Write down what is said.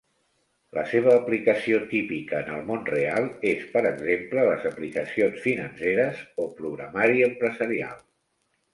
La seva aplicació típica en el món real és, per exemple, les aplicacions financeres o programari empresarial.